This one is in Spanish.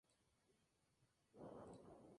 La siguiente lista sigue un orden sur-norte.